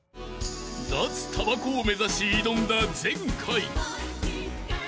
［脱たばこを目指し挑んだ前回］